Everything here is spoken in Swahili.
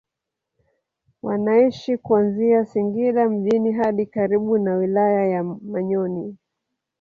Wanaishi kuanzia Singida mjini hadi karibu na wilaya ya Manyoni